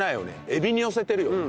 エビに寄せてるよね。